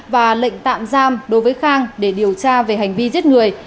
và lệnh tạm giam đối với khang để điều tra về hành vi giết người